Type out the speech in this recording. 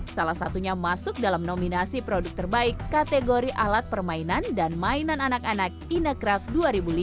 salah satunya masuk dalam nominasi produk terbaik kategori alat permainan dan mainan anak anak inacraft dua ribu lima